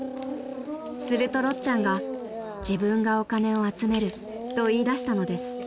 ［するとろっちゃんが「自分がお金を集める」と言いだしたのです］